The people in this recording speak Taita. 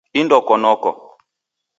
Indoko noko